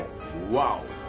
ワオ！